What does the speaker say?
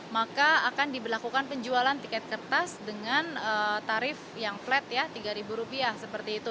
maka akan diberlakukan penjualan tiket kertas dengan tarif yang flat ya rp tiga seperti itu